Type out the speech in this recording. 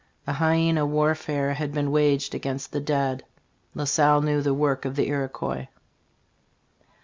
A hyena warfare had been waged against the dead. La Salle knew the work of the Iroquois."